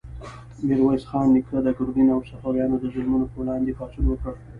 میرویس خان نیکه د ګرګین او صفویانو د ظلمونو په وړاندې پاڅون وکړ.